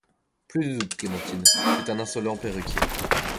Plus de doute, Clémentine, c'est un insolent perruquier.